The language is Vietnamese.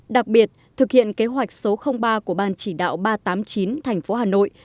đặc biệt thực hiện kế hoạch số ba của ban chỉ đạo ba trăm tám mươi chín tp hà nội